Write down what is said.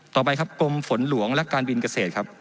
ต่อไปครับกรมฝนหลวงและการบินเกษตรครับ